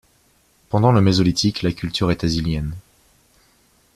Pendant le Mésolithique la culture est azilienne.